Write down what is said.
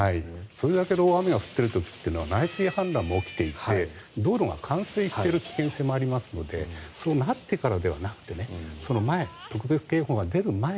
それだけの大雨が降っている時は内水氾濫も起きていて道路が冠水している危険性もありますのでそうなってからではなくてその前、特別警報が出る前